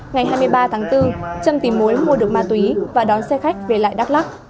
ngày hai mươi ba tháng bốn trâm tìm mối mua được ma túy và đón xe khách về lại đắk lắc